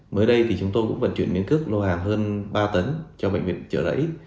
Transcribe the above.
mới đây chúng tôi cũng vận chuyển miễn cước lô hàng hơn ba tấn cho bệnh viện chở đẩy